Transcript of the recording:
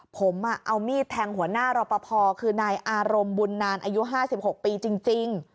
ผมเอามีดแทงหัวหน้ารอปภคือนายอารมณ์บุญนานอายุ๕๖ปีจริง